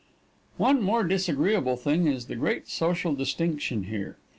One more disagreeable thing is the great social distinction here.